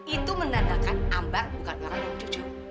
itu menandakan ambar bukan orang yang jujur